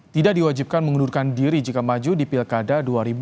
tidak diwajibkan mengundurkan diri jika maju di pilkada dua ribu dua puluh